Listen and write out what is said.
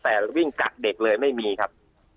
แต่วิ่งกักเด็กเลยไม่มีครับ